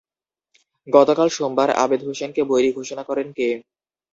গতকাল সোমবার আবেদ হোসেনকে বৈরী ঘোষণা করেন কে?